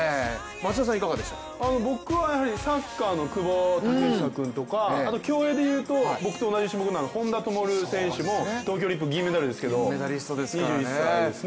僕はやはりサッカーの久保建英君とかあと競泳でいうと僕と同じ種目の本多灯さんも東京オリンピック銀メダルですけど、２１歳ですね。